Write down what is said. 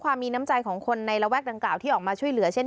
ความมีน้ำใจของคนในระแวกดังกล่าวที่ออกมาช่วยเหลือเช่น